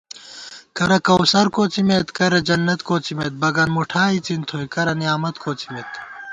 کرہ کوثر کوڅمېت کرہ جنّت کوڅمېت بگن مُٹھا اِڅن تھوئی کرہ نعمت کوڅمېت